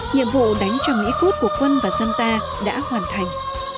nhiệm vụ đánh chồng mỹ cút của quân và dân ta đã hoàn thành